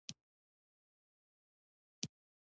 هوساینه د دوو قوتونو له لوري ټکنۍ شوه.